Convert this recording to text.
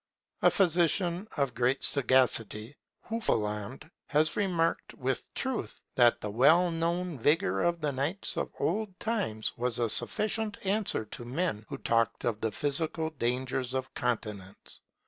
A physician of great sagacity, Hufeland, has remarked, with truth, that the well known vigour of the knights of old times was a sufficient answer to men who talked of the physical dangers of continence.